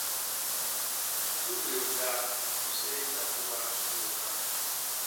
Su gberu da su sere tasu wa su wuka.